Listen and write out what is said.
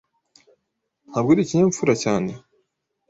Ntabwo uri ikinyabupfura cyane?